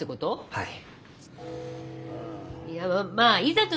はい！